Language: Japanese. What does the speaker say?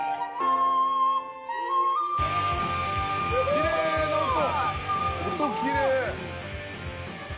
きれいな音！